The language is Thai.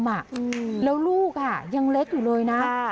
แล้วลูกอ่ะยังเล็กอยู่เลยนะ